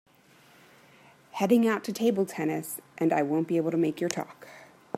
Heading out to table tennis and I won’t be able to make your talk.